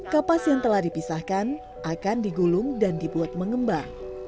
kapas yang telah dipisahkan akan digulung dan dibuat mengembar